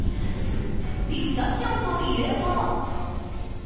ピスタチオといえば。